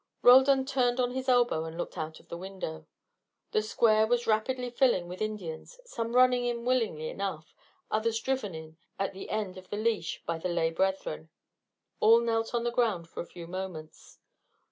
Roldan turned on his elbow and looked out of the window. The square was rapidly filling with Indians, some running in willingly enough, others driven in at the end of the leash by the lay brethren. All knelt on the ground for a few moments.